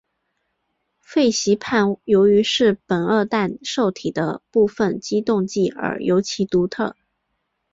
氟西泮由于是苯二氮受体的部分激动剂而尤其独特。